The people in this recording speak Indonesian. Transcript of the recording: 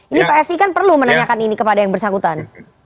ini psi kan perlu menanyakan ini kepada yang bersangkutan